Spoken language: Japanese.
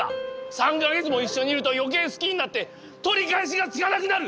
３か月も一緒にいるとよけい好きになって取り返しがつかなくなる！